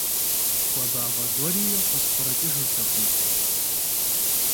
Хуабагъэ гуэри къыспкърыкӀыжыртэкъым.